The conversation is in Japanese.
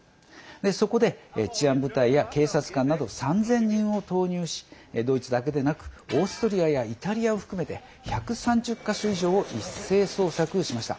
そこで、治安部隊や警察官など３０００人を投入しドイツだけでなくオーストリアやイタリアを含めて１３０か所以上を一斉捜索しました。